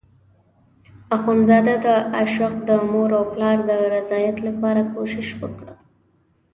اخندزاده د عاشق د مور او پلار د رضایت لپاره کوشش وکړ.